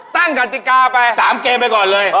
ตั้งกันติกาไป๓เกมไปก่อนเลย